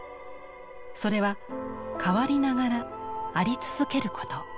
それは「変わりながらあり続ける」こと。